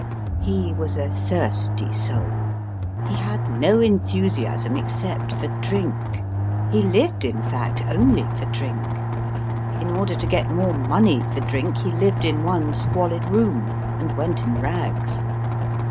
He was a thirsty soul ; he had no enthusiasm ex cept for drink ; he lived, in fact, only for drink ; in order to get more money for drink he lived in one squalid room, and went in rags.